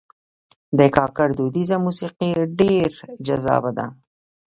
د کاکړ دودیزه موسیقي ډېر جذابه ده.